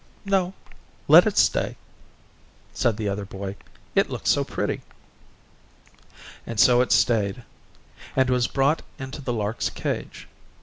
"No let it stay," said the other boy, "it looks so pretty." And so it stayed, and was brought into the lark's cage.